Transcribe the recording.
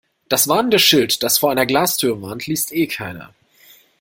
Das warnende Schild, das vor einer Glastür warnt, liest eh keiner.